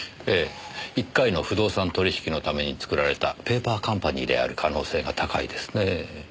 ええ１回の不動産取引のために作られたペーパーカンパニーである可能性が高いですね。